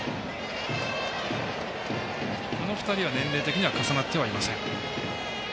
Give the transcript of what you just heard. この２人は年齢的には重なっていません。